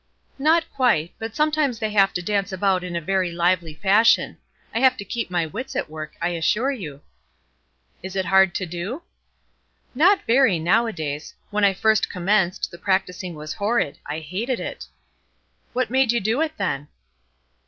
"Not quite; but sometimes they have to dance about in a very lively fashion. I have to keep my wits at work, I assure you." "Is it hard to do?" "Not very, nowadays. When I first commenced, the practising was horrid; I hated it." "What made you do it, then?"